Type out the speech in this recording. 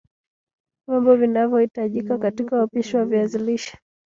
Vyombo vinavyohitajika katika upishi wa viazi lishe